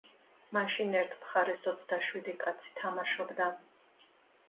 მაშინ ერთ მხარეს ოცდაშვიდი კაცი თამაშობდა.